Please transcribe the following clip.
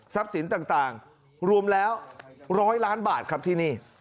สินต่างรวมแล้ว๑๐๐ล้านบาทครับที่นี่